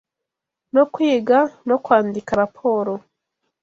yo kwiga no kwandika raporo